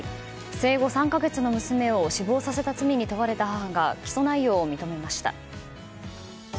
生後３か月の娘を死亡させた罪に問われた母が起訴内容を認めました。